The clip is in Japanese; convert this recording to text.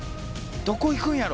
ドコ行くんやろ？